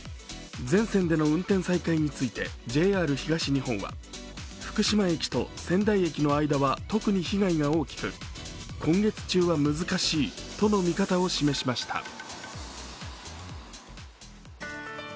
全線での運転再開についてＪＲ東日本は福島駅と仙台駅の間は特に被害が大きく今月中は難しいとの見方を示しました。